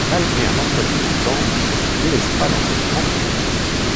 Malgré un emploi du temps dense, il ne délaisse pas l'enseignement pour autant.